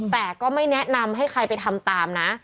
แต่ก็ไม่แนะนำให้ใครไปทำตามนะ